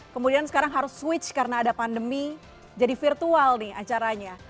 kemudian sekarang harus switch karena ada pandemi jadi virtual nih acaranya